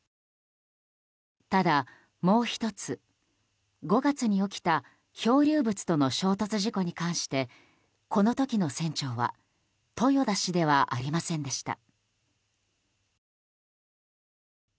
ただもう１つ、５月に起きた漂流物との衝突事故に関してこの時の船長は豊田氏ではありませんでした。